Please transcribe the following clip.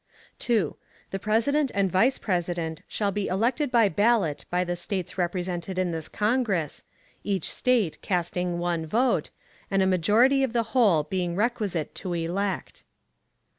2. The President and Vice President shall be elected by ballot by the States represented in this Congress, each State casting one vote, and a majority of the whole being requisite to elect.